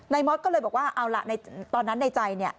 นายม็อตก็เลยบอกว่าเอาล่ะตอนนั้นในใจ